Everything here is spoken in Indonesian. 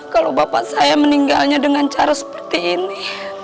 kalau bapak saya meninggalnya dengan cara seperti ini